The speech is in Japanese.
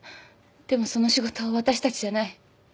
でもその仕事は私たちじゃない。